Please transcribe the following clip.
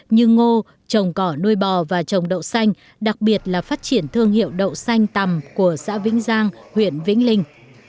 như ngô trồng cỏ nuôi bò và trồng đậu xanh đặc biệt là phát triển thương hiệu đậu xanh tầm của xã vĩnh giang huyện vĩnh linh